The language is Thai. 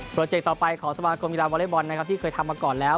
เจกต์ต่อไปของสมาคมกีฬาวอเล็กบอลนะครับที่เคยทำมาก่อนแล้ว